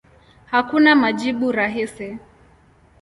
Hakuna majibu rahisi.